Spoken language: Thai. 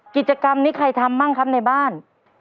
กิจกรรมนี้ใครทำบ้างครับในบ้าน